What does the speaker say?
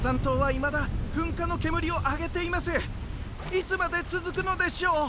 いつまでつづくのでしょう！